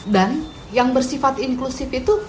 dan yang bersifat inklusif itu